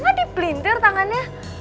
mama dipintir tangannya